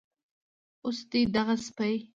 اوس دې دغه سپي